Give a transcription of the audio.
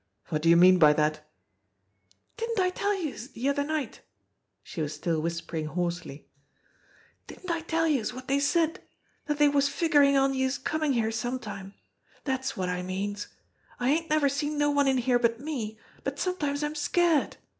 "What do you mean by that?" "Didn't I tell youse de other night !" She was still whis pering hoarsely. "Didn't I tell youse wot dey said dat dey was figurin' on youse comin' here sometime. Dat's wot I means. I ain't never seen no one in here but me, but some times I'm scared.